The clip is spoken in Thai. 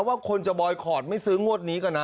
ว่าคนจะบอยคอร์ดไม่ซื้องวดนี้ก่อนนะ